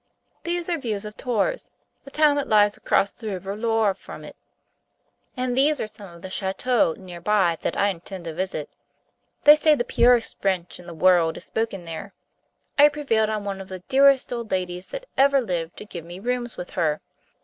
These are views of Tours, the town that lies across the river Loire from it, and these are some of the châteaux near by that I intend to visit. They say the purest French in the world is spoken there. I have prevailed on one of the dearest old ladies that ever lived to give me rooms with her.